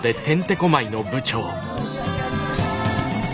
申し訳ありません。